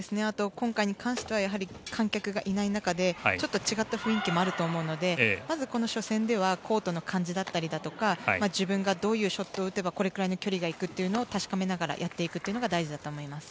今回に関しては観客がいない中でちょっと違った雰囲気もあると思うのでまずこの初戦ではコートの感じだったりとか自分がどういうショットを打てばこれくらいの距離が行くというのを確かめながらやっていくというのが大事だと思います。